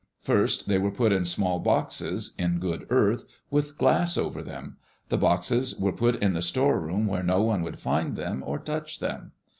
First they were put in small boxes, in good earth, with glass over them. The boxes were put in the store room where no one would find them or touch them.